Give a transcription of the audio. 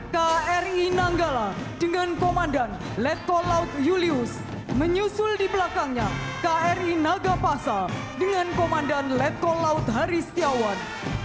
kri nanggala dengan komandan letkol laut julius menyusul di belakangnya kri nagapasa dengan komandan letkol laut haristiawan